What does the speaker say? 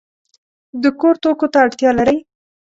د کور توکو ته اړتیا لرئ؟